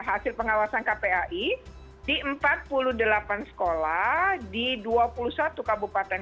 hasil pengawasan kpai di empat puluh delapan sekolah di dua puluh satu kabupaten